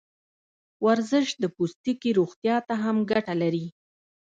ورزش د پوستکي روغتیا ته هم ګټه لري.